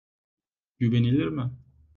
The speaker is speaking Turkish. Güvenilir mi?